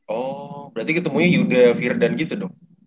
oh berarti ketemunya yuda firdan gitu dong